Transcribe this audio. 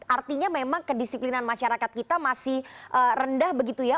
artinya memang kedisiplinan masyarakat kita masih rendah begitu ya